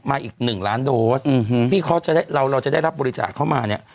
มาอีก๑ล้านโดสนี่เราจะได้รับบริจาคเข้ามาเนี่ย